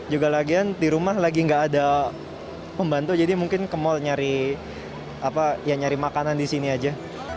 juga lagian di rumah lagi nggak ada pembantu jadi mungkin ke mall nyari makanan di sini aja